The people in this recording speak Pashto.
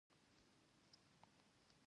ځان نه شې ساتلی.